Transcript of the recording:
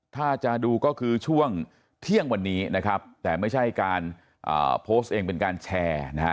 ถ้าจะดูก็คือช่วงเที่ยงวันนี้นะครับแต่ไม่ใช่การโพสต์เองเป็นการแชร์นะฮะ